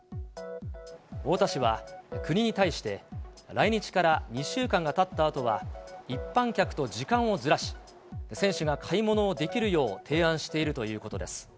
太田市は、国に対して来日から２週間がたったあとは、一般客と時間をずらし、選手が買い物をできるよう提案しているということです。